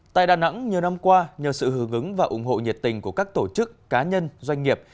tại đà nẵng nhiều năm qua nhờ sự hướng ứng và ủng hộ nhiệt tình của các tổ chức cá nhân doanh nghiệp